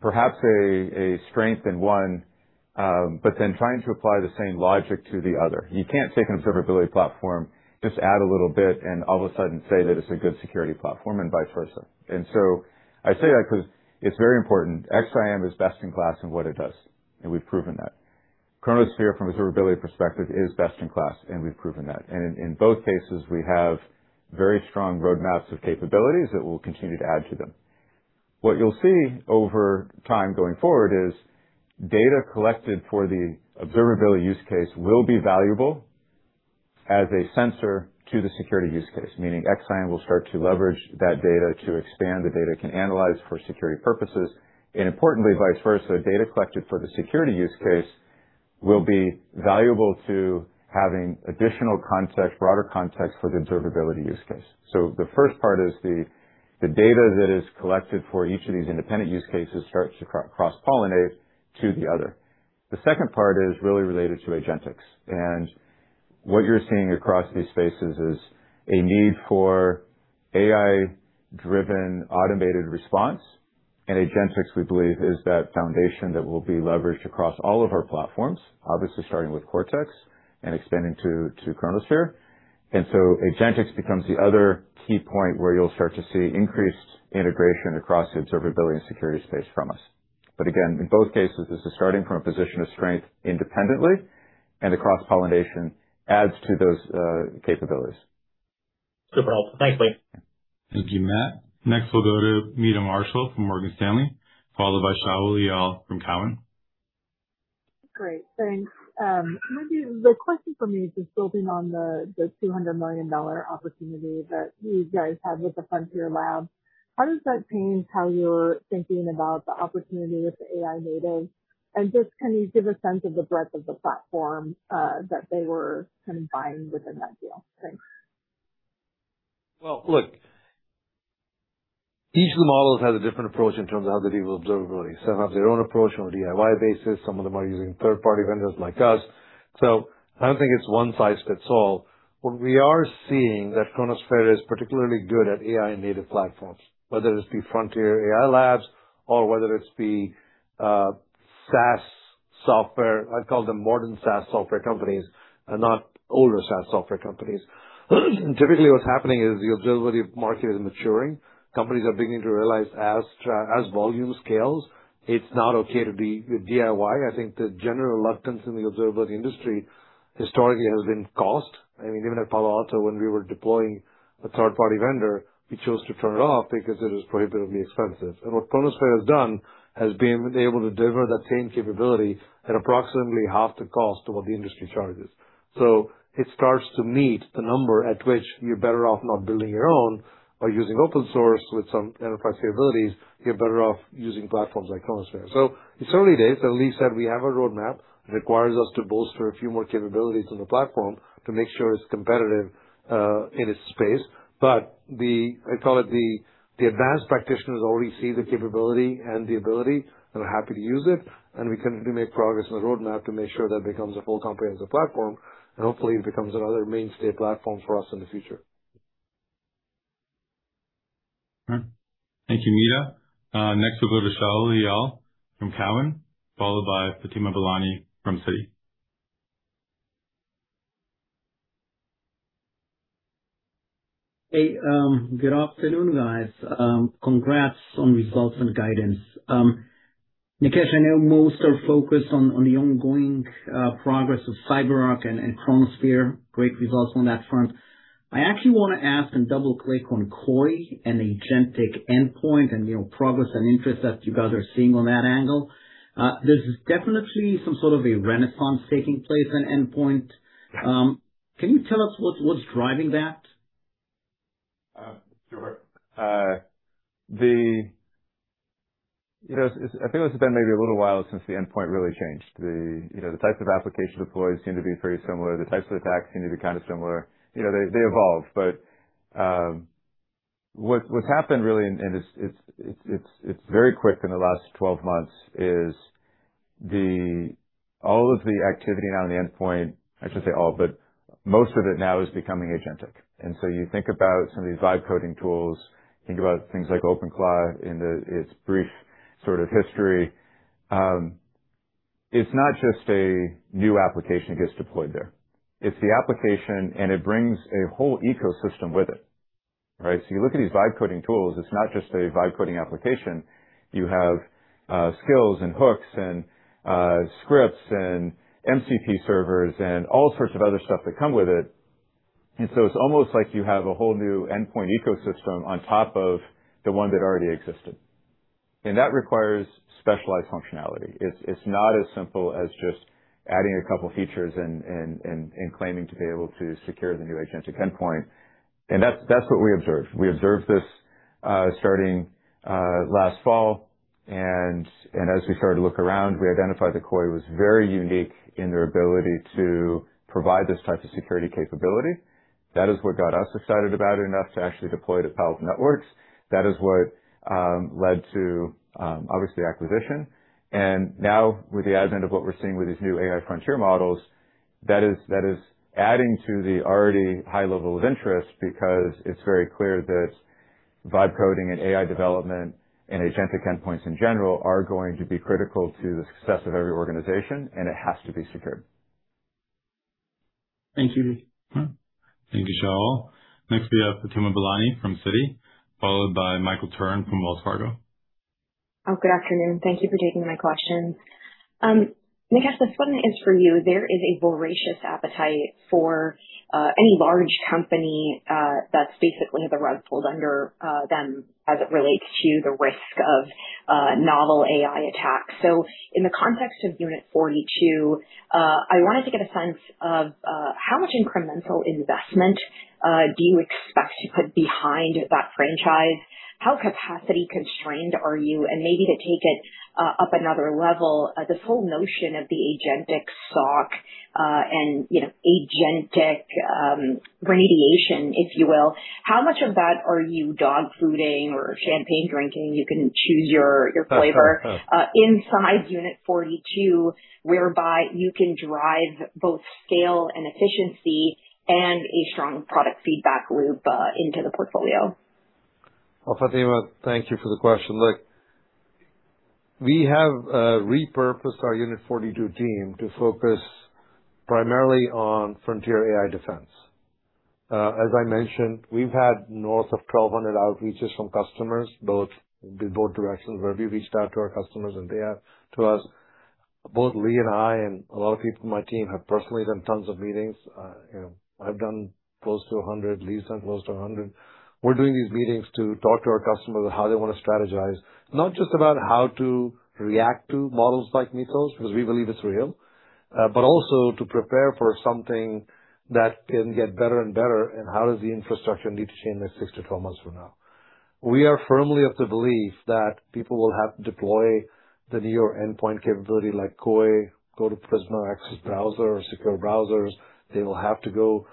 perhaps a strength in one, but then trying to apply the same logic to the other. You can't take an observability platform, just add a little bit, and all of a sudden say that it's a good security platform and vice versa. I say that because it's very important. XSIAM is best in class in what it does, and we've proven that. Chronosphere, from an observability perspective, is best in class, and we've proven that. In both cases, we have very strong roadmaps of capabilities that we'll continue to add to them. What you'll see over time going forward is data collected for the observability use case will be valuable as a sensor to the security use case, meaning XSIAM will start to leverage that data to expand the data it can analyze for security purposes. Importantly, vice versa, data collected for the security use case will be valuable to having additional context, broader context for the observability use case. The first part is the data that is collected for each of these independent use cases starts to cross-pollinate to the other. The second part is really related to agentics. What you're seeing across these spaces is a need for AI-driven automated response. Agentics, we believe is that foundation that will be leveraged across all of our platforms, obviously starting with Cortex and extending to Chronosphere. Agentics becomes the other key point where you'll start to see increased integration across the observability and security space from us. Again, in both cases, this is starting from a position of strength independently and the cross-pollination adds to those capabilities. Super helpful. Thanks, Lee. Thank you, Matt. Next, we'll go to Meta Marshall from Morgan Stanley, followed by Shaul Eyal from Cowen. Great. Thanks. Maybe the question for me is just building on the $200 million opportunity that you guys had with the Frontier Lab. How does that change how you're thinking about the opportunity with the AI-native, and just can you give a sense of the breadth of the platform that they were kind of buying within that deal? Thanks. Well, look, each of the models has a different approach in terms of how they deal with observability. Some have their own approach on a DIY basis. Some of them are using third-party vendors like us. I don't think it's one size fits all. What we are seeing that Chronosphere is particularly good at AI-native platforms, whether this be frontier AI labs or whether it's the SaaS software, I'd call them modern SaaS software companies and not older SaaS software companies. Typically, what's happening is the observability market is maturing. Companies are beginning to realize as volume scales, it's not okay to be DIY. I think the general reluctance in the observability industry historically has been cost. Even at Palo Alto, when we were deploying a third-party vendor, we chose to turn it off because it was prohibitively expensive. What Chronosphere has done has been able to deliver that same capability at approximately half the cost of what the industry charges. It starts to meet the number at which you're better off not building your own or using open source with some enterprise capabilities. You're better off using platforms like Chronosphere. It's early days, and Lee said we have a roadmap. It requires us to bolster a few more capabilities in the platform to make sure it's competitive in its space. I call it the advanced practitioners already see the capability and the ability, and are happy to use it, and we continue to make progress on the roadmap to make sure that it becomes a full comprehensive platform, and hopefully it becomes another mainstay platform for us in the future. All right. Thank you, Meta. Next we'll go to Shaul Eyal from Cowen, followed by Fatima Boolani from Citi. Hey, good afternoon, guys. Congrats on results and guidance. Nikesh, I know most are focused on the ongoing progress of CyberArk and Chronosphere. Great results on that front. I actually want to ask and double-click on Koi and Agentic Endpoint and progress and interest that you guys are seeing on that angle. There's definitely some sort of a renaissance taking place in endpoint. Can you tell us what's driving that? Sure. I think it's been maybe a little while since the endpoint really changed. The types of application deploys seem to be pretty similar. The types of attacks seem to be kind of similar. They evolve, but what's happened really, and it's very quick in the last 12 months, is all of the activity now on the endpoint, I shouldn't say all, but most of it now is becoming agentic. You think about some of these vibe coding tools, think about things like OpenClaw in its brief sort of history. It's not just a new application that gets deployed there. It's the application, and it brings a whole ecosystem with it, right? You look at these vibe coding tools, it's not just a vibe coding application. You have skills and hooks and scripts and MCP servers and all sorts of other stuff that come with it. It's almost like you have a whole new endpoint ecosystem on top of the one that already existed. That requires specialized functionality. It's not as simple as just adding a couple features and claiming to be able to secure the new agentic endpoint. That's what we observed. We observed this starting last fall, and as we started to look around, we identified that Koi was very unique in their ability to provide this type of security capability. That is what got us excited about it enough to actually deploy to Palo Alto Networks. That is what led to, obviously, acquisition. Now with the advent of what we're seeing with these new AI frontier models, that is adding to the already high level of interest, because it's very clear that vibe coding and AI development and agentic endpoints in general are going to be critical to the success of every organization, and it has to be secured. Thank you, Lee. Thank you, Shaul. Next, we have Fatima Boolani from Citi, followed by Michael Turrin from Wells Fargo. Oh, good afternoon. Thank you for taking my questions. Nikesh, this one is for you. There is a voracious appetite for any large company that's basically had the rug pulled under them as it relates to the risk of novel AI attacks. In the context of Unit 42, I wanted to get a sense of how much incremental investment do you expect to put behind that franchise? How capacity constrained are you? Maybe to take it up another level, this whole notion of the agentic SOC and agentic radiation, if you will, how much of that are you dog fooding or champagne drinking? You can choose your flavor. Inside Unit 42, whereby you can drive both scale and efficiency and a strong product feedback loop into the portfolio. Well, Fatima, thank you for the question. Look, we have repurposed our Unit 42 team to focus primarily on frontier AI defense. As I mentioned, we've had north of 1,200 outreaches from customers, both directions, where we reached out to our customers and they are to us. Both Lee and I and a lot of people from my team have personally done tons of meetings. I've done close to 100. Lee's done close to 100. We're doing these meetings to talk to our customers how they want to strategize, not just about how to react to models like Mythos, because we believe it's real, but also to prepare for something that can get better and better, and how does the infrastructure need to change in 6-12 months from now? We are firmly of the belief that people will have to deploy the newer endpoint capability like Koi, go to Prisma Access Browser or secure browsers. They will have to go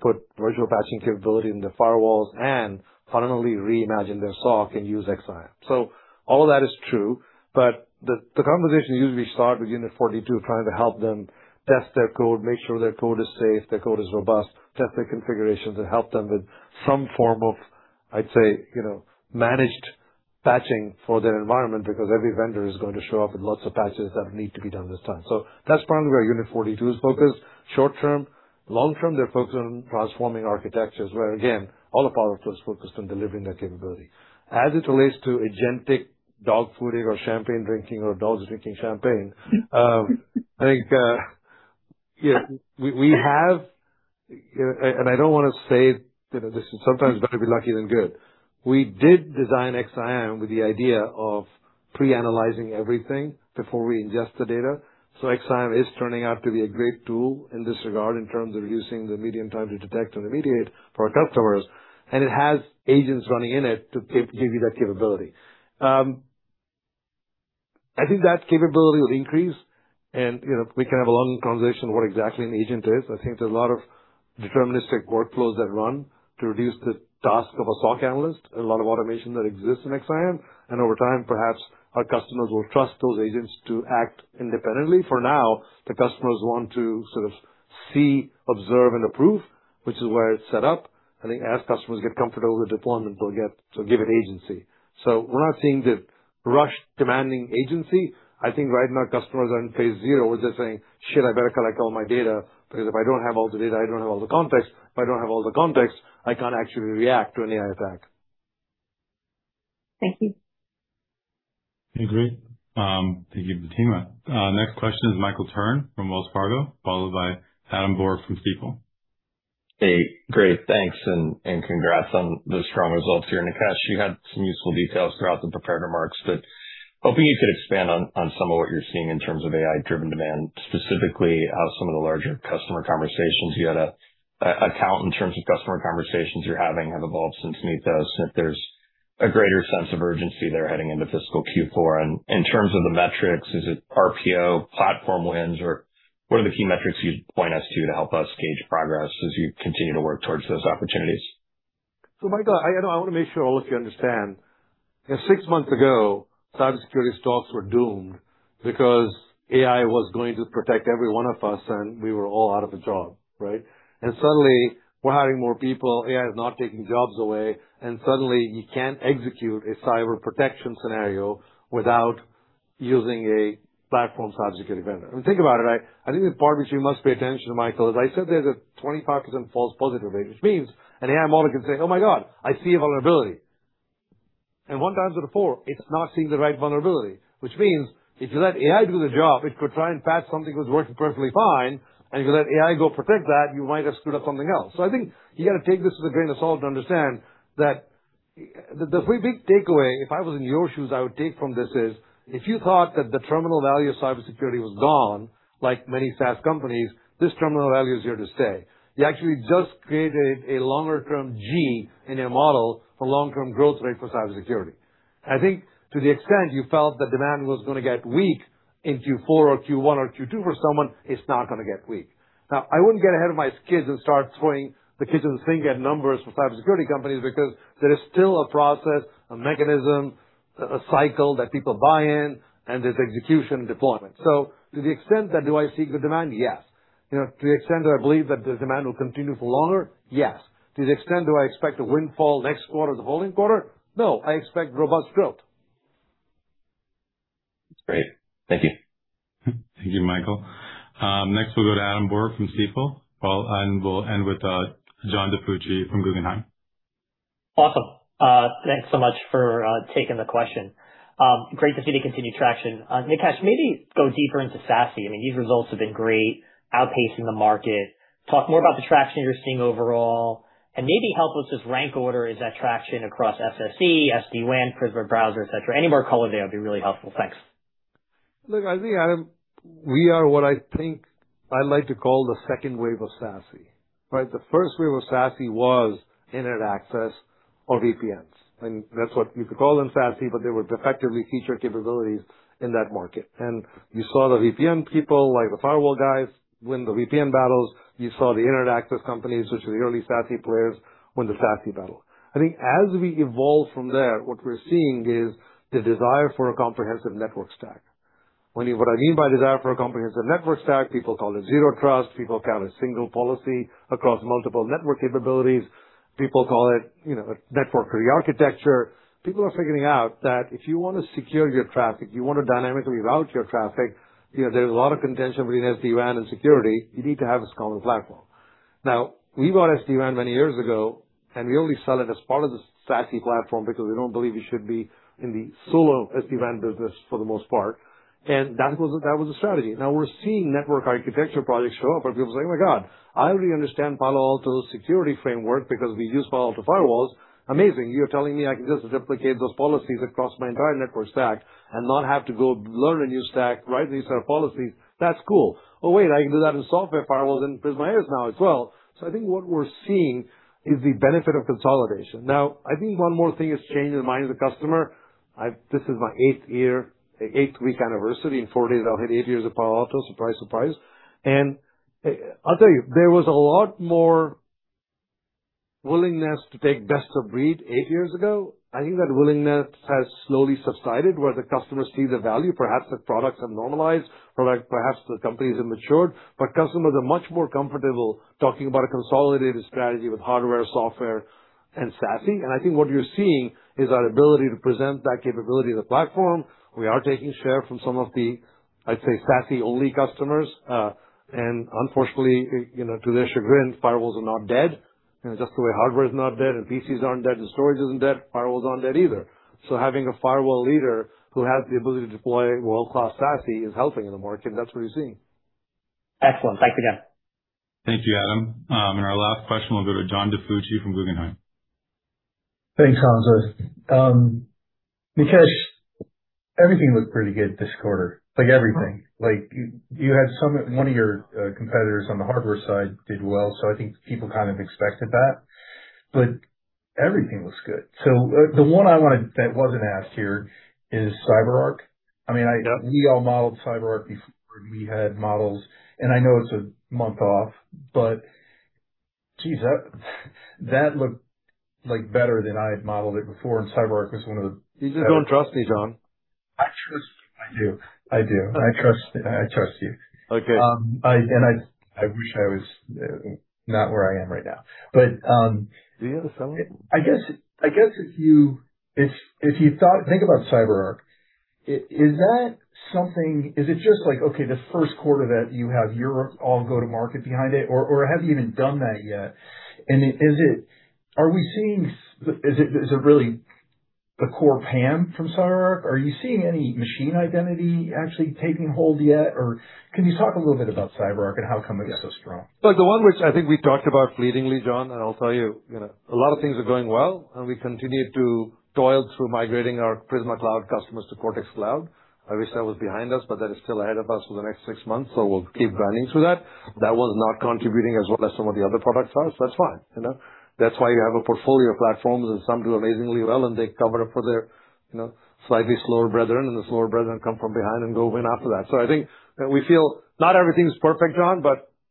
put virtual patching capability in the firewalls and fundamentally reimagine their SOC and use XSIAM. All of that is true, but the conversation usually starts with Unit 42 trying to help them test their code, make sure their code is safe, their code is robust, test their configurations, and help them with some form of, I'd say, managed patching for their environment because every vendor is going to show up with lots of patches that need to be done this time. So that's primarily where Unit 42 is focused. Short term, long-term, they're focused on transforming architectures where, again, all of Palo Alto is focused on delivering that capability. As it relates to agentic dog fooding or champagne drinking or dogs drinking champagne, I think we have, and I don't want to say, listen, sometimes it's better to be lucky than good. We did design XSIAM with the idea of pre-analyzing everything before we ingest the data. XSIAM is turning out to be a great tool in this regard in terms of reducing the median time to detect and remediate for our customers, and it has agents running in it to give you that capability. I think that capability will increase, and we can have a long conversation on what exactly an agent is. I think there's a lot of deterministic workflows that run to reduce the task of a SOC analyst and a lot of automation that exists in XSIAM. Over time, perhaps our customers will trust those agents to act independently. For now, the customers want to sort of see, observe, and approve, which is why it's set up. I think as customers get comfortable with deployment; they'll give it agency. We're not seeing the rush demanding agency. I think right now customers are in phase 0 where they're saying, "Shit, I better collect all my data, because if I don't have all the data, I don't have all the context. If I don't have all the context, I can't actually react to an AI attack. Thank you. Okay, great. Thank you, Fatima. Next question is Michael Turrin from Wells Fargo, followed by Adam Borg from Stifel. Hey, great. Thanks, and congrats on the strong results here, Nikesh. You had some useful details throughout the prepared remarks, but hoping you could expand on some of what you're seeing in terms of AI-driven demand, specifically how some of the larger customer conversations you're having have evolved since Mythos, if there's a greater sense of urgency there heading into fiscal Q4. In terms of the metrics, is it RPO platform wins, or what are the key metrics you'd point us to to help us gauge progress as you continue to work towards those opportunities? Michael, I want to make sure all of you understand that six months ago, cybersecurity stocks were doomed because AI was going to protect every one of us, and we were all out of a job, right? Suddenly we're hiring more people. AI is not taking jobs away. Suddenly you can't execute a cyber protection scenario without using a platform cybersecurity vendor. I mean, think about it. I think the part which you must pay attention to, Michael, is I said there's a 25% false positive rate, which means an AI model can say, "Oh, my God, I see a vulnerability." One times out of four, it's not seeing the right vulnerability, which means if you let AI do the job, it could try and patch something that's working perfectly fine, and if you let AI go protect that, you might have screwed up something else. I think you got to take this with a grain of salt to understand that the big takeaway, if I was in your shoes, I would take from this is, if you thought that the terminal value of cybersecurity was gone, like many SaaS companies, this terminal value is here to stay. You actually just created a longer-term G in a model for long-term growth rate for cybersecurity. I think to the extent you felt the demand was going to get weak in Q4 or Q1 or Q2 for someone, it's not going to get weak. I wouldn't get ahead of my skis and start throwing the kitchen sink at numbers for cybersecurity companies because there is still a process, a mechanism, a cycle that people buy in, and there's execution and deployment. To the extent that do I see good demand, yes. To the extent that I believe that the demand will continue for longer, yes. To the extent do I expect a windfall next quarter, the following quarter? No. I expect robust growth. Great. Thank you. Thank you, Michael. Next we'll go to Adam Borg from Stifel. We'll end with John DiFucci from Guggenheim. Awesome. Thanks so much for taking the question. Great to see the continued traction. Nikesh, maybe go deeper into SASE. I mean, these results have been great, outpacing the market. Talk more about the traction you're seeing overall, and maybe help us just rank order is that traction across SSE, SD-WAN, Prisma Browser, et cetera. Any more color there would be really helpful? Thanks. Look, I think, Adam, we are what I think I like to call the second wave of SASE, right? The first wave of SASE was internet access or VPNs. I mean, that's what you could call them SASE, but they were effectively feature capabilities in that market. You saw the VPN people, like the firewall guys, win the VPN battles. You saw the internet access companies, which were the early SASE players, win the SASE battle. I think as we evolve from there, what we're seeing is the desire for a comprehensive network stack. What I mean by desire for a comprehensive network stack, people call it zero trust. People have a single policy across multiple network capabilities. People call it a network re-architecture. People are figuring out that if you want to secure your traffic, you want to dynamically route your traffic, there's a lot of contention between SD-WAN and security. You need to have a common platform. Now, we bought SD-WAN many years ago, and we only sell it as part of the SASE platform because we don't believe we should be in the solo SD-WAN business for the most part. That was the strategy. Now we're seeing network architecture projects show up where people say, "Oh, my God, I already understand Palo Alto's security framework because we use Palo Alto firewalls. Amazing. You're telling me I can just replicate those policies across my entire network stack and not have to go learn a new stack, write these sort of policies? That's cool. Oh, wait, I can do that in software firewalls in Prisma is now as well. I think what we're seeing is the benefit of consolidation. I think one more thing has changed in the mind of the customer. This is my 8th year anniversary. In four days, I'll hit eight years at Palo Alto. Surprise, surprise. I'll tell you, there was a lot more willingness to take best of breed eight years ago. I think that willingness has slowly subsided, where the customers see the value. Perhaps the products have normalized, or perhaps the companies have matured. Customers are much more comfortable talking about a consolidated strategy with hardware, software, and SASE. I think what you're seeing is our ability to present that capability of the platform. We are taking share from some of the, I'd say, SASE-only customers. Unfortunately, to their chagrin, firewalls are not dead. Just the way hardware is not dead, and PCs aren't dead, and storage isn't dead, firewalls aren't dead either. Having a firewall leader who has the ability to deploy world-class SASE is helping in the market, and that's what you're seeing. Excellent. Thanks again. Thank you, Adam. Our last question will go to John DiFucci from Guggenheim. Thanks, Hamza. Nikesh, everything looked pretty good this quarter. Like everything. You had one of your competitors on the hardware side did well, so I think people kind of expected that. Everything looks good. The one that wasn't asked here is CyberArk. Yep. We all modeled CyberArk before we had models. I know it's a month off. Jeez, that looked better than I had modeled it before. You just don't trust me, John. I trust. I do. I do. I trust you. Okay. I wish I was not where I am right now. Do you have a cell phone? I guess if you think about CyberArk, is it just like, okay, this first quarter that you have your all go to market behind it, or have you even done that yet? Is it really the core PAM from CyberArk? Are you seeing any machine identity actually taking hold yet? Can you talk a little bit about CyberArk and how come it's so strong? The one which I think we talked about fleetingly, John, and I'll tell you, a lot of things are going well, and we continue to toil through migrating our Prisma Cloud customers to Cortex Cloud. I wish that was behind us, that is still ahead of us for the next six months, so we'll keep grinding through that. That one's not contributing as well as some of the other products are, so that's fine. That's why you have a portfolio of platforms, and some do amazingly well, and they cover up for their slightly slower brethren, and the slower brethren come from behind and go win after that. I think that we feel not everything's perfect, John,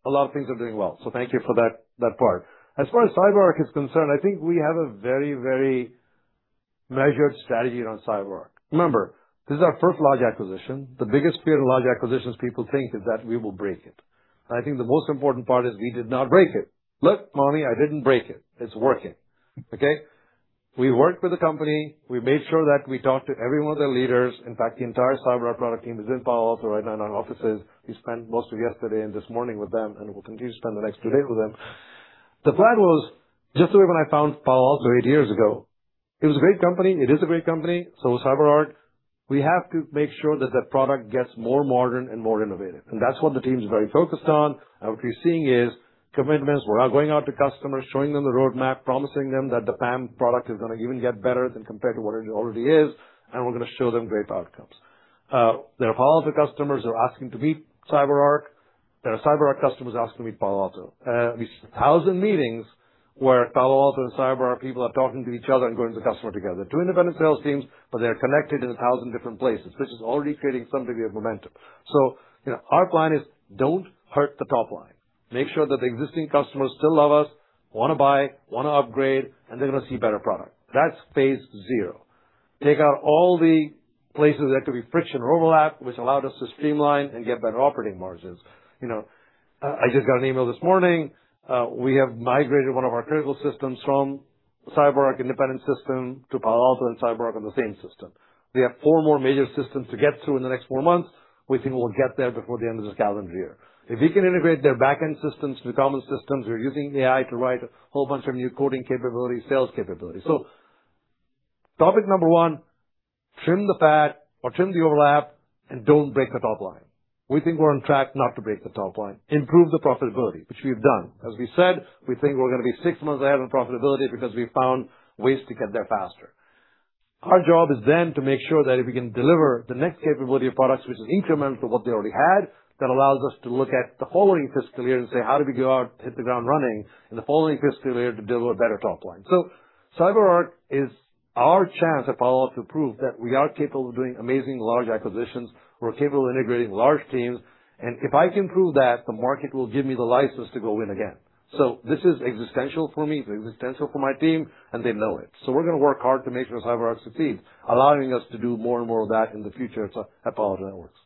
a lot of things are doing well. Thank you for that part. As far as CyberArk is concerned, I think we have a very measured strategy around CyberArk. Remember, this is our first large acquisition. The biggest fear in large acquisitions people think is that we will break it. I think the most important part is we did not break it. Look, mommy, I didn't break it. It's working. Okay. We worked with the company. We made sure that we talked to every one of their leaders. In fact, the entire CyberArk product team is in Palo Alto right now in our offices. We spent most of yesterday and this morning with them, and we'll continue to spend the next two days with them. The plan was just the way when I found Palo Alto eight years ago. It was a great company. It is a great company. Is CyberArk. We have to make sure that the product gets more modern and more innovative. That's what the team is very focused on. What you're seeing is commitments. We're now going out to customers, showing them the roadmap, promising them that the PAM product is going to even get better than compared to what it already is. We're going to show them great outcomes. There are Palo Alto customers who are asking to meet CyberArk. There are CyberArk customers asking to meet Palo Alto. There're 1,000 meetings where Palo Alto and CyberArk people are talking to each other and going to the customer together. Two independent sales teams, they're connected in 1,000 different places, which is already creating some degree of momentum. Our plan is don't hurt the top line. Make sure that the existing customers still love us, want to buy, want to upgrade. They're going to see better product. That's phase 0. Take out all the places there could be friction overlap, which allowed us to streamline and get better operating margins. I just got an email this morning. We have migrated one of our critical systems from CyberArk independent system to Palo Alto and CyberArk on the same system. We have four more major systems to get to in the next four months. We think we'll get there before the end of this calendar year. If we can integrate their back-end systems to the common systems, we're using AI to write a whole bunch of new coding capabilities, sales capabilities. Topic number one, trim the fat or trim the overlap and don't break the top line. We think we're on track not to break the top line, improve the profitability, which we've done. As we said, we think we're going to be six months ahead on profitability because we found ways to get there faster. Our job is to make sure that if we can deliver the next capability of products, which is incremental to what they already had, that allows us to look at the following fiscal year and say, "How do we go out, hit the ground running in the following fiscal year to deliver better top line?" CyberArk is our chance at Palo Alto to prove that we are capable of doing amazing large acquisitions. We're capable of integrating large teams. If I can prove that, the market will give me the license to go win again. This is existential for me. It's existential for my team, and they know it. We're going to work hard to make sure CyberArk succeeds, allowing us to do more and more of that in the future at Palo Alto Networks.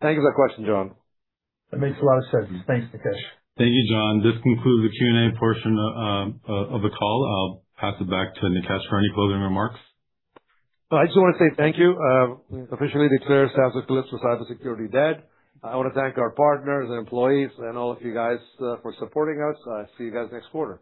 Thank you for that question, John. That makes a lot of sense. Thanks, Nikesh. Thank you, John. This concludes the Q&A portion of the call. I'll pass it back to Nikesh for any closing remarks. I just want to say thank you. Officially declare SASE eclipse with cybersecurity dead. I want to thank our partners and employees and all of you guys for supporting us. I'll see you guys next quarter.